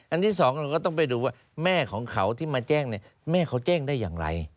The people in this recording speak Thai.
ที่สองเราก็ต้องไปดูว่าแม่ของเขาที่มาแจ้งเนี่ยแม่เขาแจ้งได้อย่างไร